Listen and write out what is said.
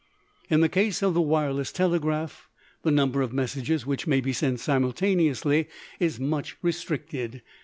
In the case of the wireless telegraph the number of messages which may be sent simultaneously is much restricted.